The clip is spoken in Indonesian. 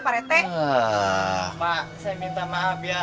pak saya minta maaf ya